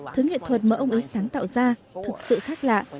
thứ nghệ thuật mà ông ấy sáng tạo ra thực sự khác lạ